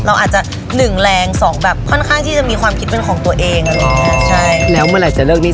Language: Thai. เราอาจจะ๑แรง๒ค่อนข้างที่จะมีความคิดเป็นของตัวเอง